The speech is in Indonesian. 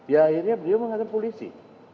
ya akhirnya dia mengatakan polisi